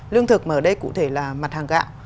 lương thực mà ở đây cụ thể là mặt hàng gạo